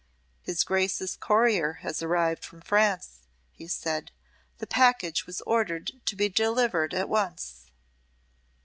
"His Grace's courier has arrived from France," he said; "the package was ordered to be delivered at once."